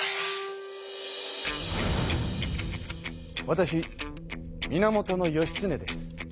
わたし源義経です。